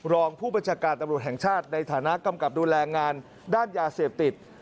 รองผู้บัญชาการตำรวจแห่งชาติในฐานะกำกับดูแลงานด้านยาเสพติด